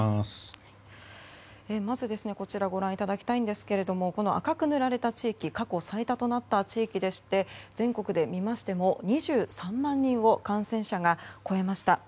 まず、こちらご覧いただきたいんですが赤く塗られているのは過去最多となった地域でして全国で見ましても感染者、２３万人を超えました。